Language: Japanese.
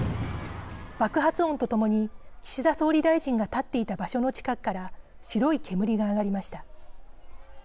爆発音とともに岸田総理大臣が立っていた場所の近くから白い煙が上がりました。